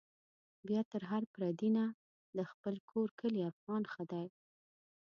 بيا تر هر پردي نه، د خپل کور کلي افغان ښه دی